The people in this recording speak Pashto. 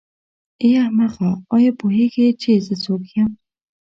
ای احمقه آیا پوهېږې چې زه څوک یم.